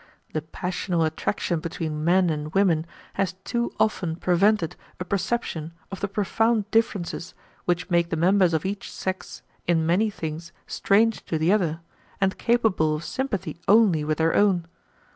The passional attraction between men and women has too often prevented a perception of the profound differences which make the members of each sex in many things strange to the other, and capable of sympathy only with their own.